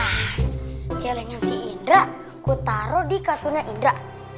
nah jelenya si indra kutaruh di kasurnya indra